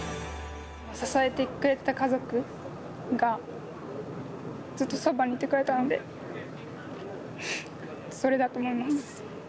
支えてくれてた家族が、ずっとそばにいてくれたので、それだと思います。